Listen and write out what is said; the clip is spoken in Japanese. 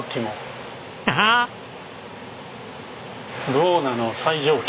「ボーノ」の最上級。